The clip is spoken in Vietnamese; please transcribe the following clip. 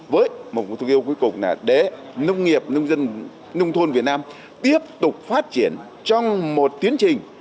với mục tiêu yêu cuối cùng là để nông nghiệp nông dân nông thôn việt nam tiếp tục phát triển trong một tiến trình